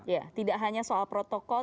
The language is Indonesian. ya tidak hanya soal protokol